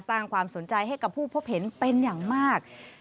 สร้างความสนใจให้กับผู้พบเห็นเป็นอย่างมาก